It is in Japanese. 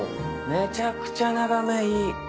めちゃくちゃ眺めいい。